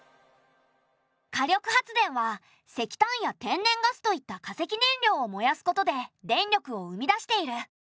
火力発電は石炭や天然ガスといった化石燃料を燃やすことで電力を生み出している。